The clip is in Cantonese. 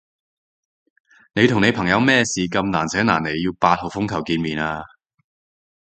你同你朋友咩事咁難捨難離要八號風球見面？